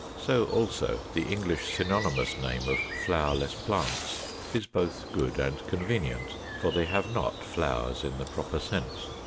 So also the English synonymous name of Flowerless Plants is both good and convenient: for they have not flowers in the proper sense.